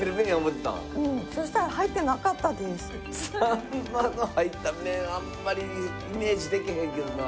サンマの入った麺あんまりイメージできへんけどな。